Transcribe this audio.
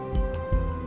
saya juga ingin mencoba